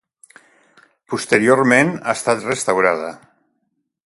Posteriorment ha estat restaurada.